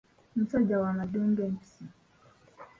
Omusajja wa maddu ng'empisi.